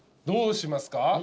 どうしますか？